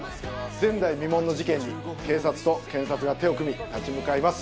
前代未聞の事件に警察と検察が手を組み立ち向かいます。